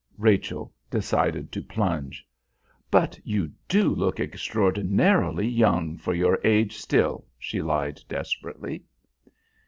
Rachel decided to plunge. "But you do look extraordinarily young for your age still," she lied desperately.